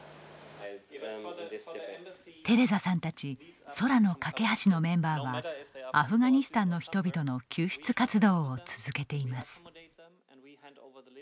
テレザさんたち空の架け橋のメンバーはアフガニスタンの人々の救出活動を続けています。